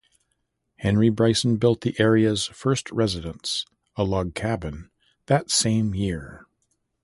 Henry Bryson built the area's first residence, a log cabin, that same year.